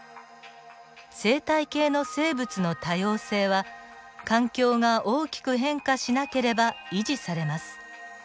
生態系の生物の多様性は環境が大きく変化しなければ維持されます。